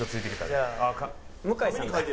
「じゃあ向井さんから」。